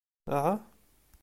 Aɛa?